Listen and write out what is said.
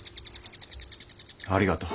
ありがとう。